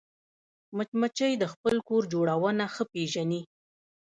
مچمچۍ د خپل کور جوړونه ښه پېژني